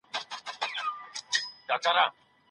له مسلماني ميرمني څخه ولي کرکه نه ده پکار؟